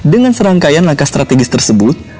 dengan serangkaian langkah strategis tersebut